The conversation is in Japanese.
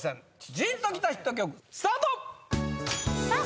ジーンときたヒット曲スタートさあ